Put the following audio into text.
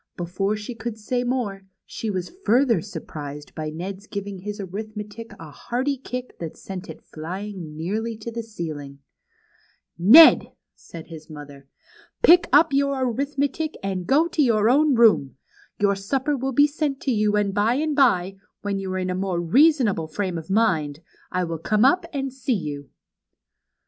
Before she could say more, she Avas further surprised by Ned's giving his arithmetic a hearty kick that sent it flying nearly to the ceiling. BEHIND THE WARDROBE. 55 Ned/' said liis mother, pick up your arithmetic, and go to your own room. Your supper Avill be sent to you, and by and by, when you are in a more reason able frame of mind, I Avill come up and see you."